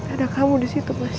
ada kamu disitu mas